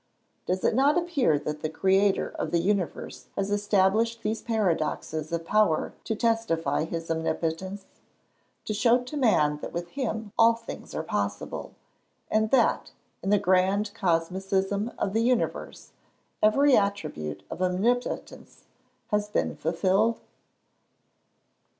Does it not appear that the Creator of the universe has established these paradoxes of power to testify his Omnipotence to show to man that with Him all things are possible; and that, in the grand cosmicism of the universe, every attribute of Omnipotence has been fulfilled?